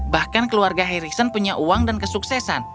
bahkan keluarga harrison punya uang dan kesuksesan